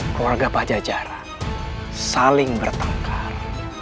keluarga pajajaran saling bertengkar